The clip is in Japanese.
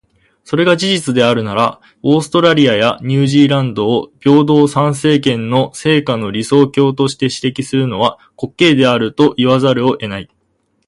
それが事実であるなら、オーストラリアやニュージーランドを平等参政権の成果の理想郷として指摘するのは、滑稽であると言わざるを得ない。